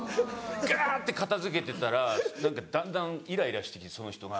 ガって片付けてたらだんだんイライラしてきてその人が。